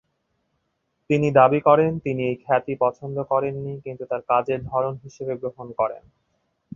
তিনি দাবী করেন তিনি এই খ্যাতি পছন্দ করেননি, কিন্তু তার কাজের ধরন হিসেবে গ্রহণ করেন।